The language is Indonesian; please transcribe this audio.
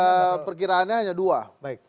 ini perkiraannya hanya dua